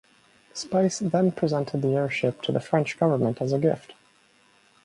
Spiess then presented the airship to the French government as a gift.